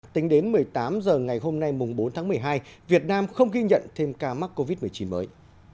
tính đến một mươi tám h ngày hôm nay bốn tháng một mươi hai việt nam không ghi nhận thêm ca mắc covid một mươi chín mới